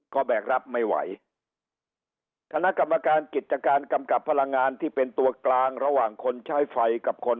ก็แบกรับไม่ไหวคณะกรรมการกิจการกำกับพลังงานที่เป็นตัวกลางระหว่างคนใช้ไฟกับคน